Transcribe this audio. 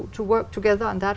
tôi đã nhìn thấy